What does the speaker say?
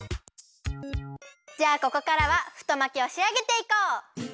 じゃあここからは太巻きをしあげていこう！